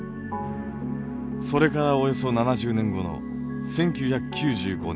それからおよそ７０年後の１９９５年。